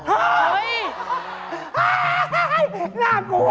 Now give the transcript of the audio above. ไอ่โน่ากลัว